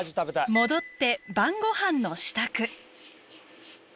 戻って晩ごはんの支度。